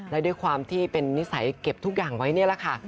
และด้วยความที่เป็นนิสัยเก็บทุกอย่างไว้นี่แหละค่ะ